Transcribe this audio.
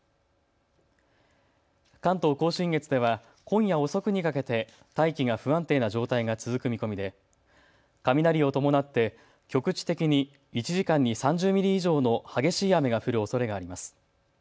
関東甲信越では今夜遅くにかけて大気が不安定な状態が続く見込みで雷を伴って局地的に１時間に３０ミリ以上の激しい雨が降るおそれがあります。